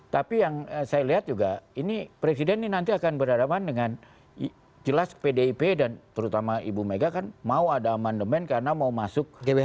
tapi yang saya lihat juga ini presiden ini nanti akan berhadapan dengan jelas pdip dan terutama ibu mega kan mau ada amandemen karena mau masuk